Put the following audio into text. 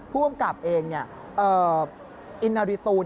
ผู้กำกับเองอินนาริตู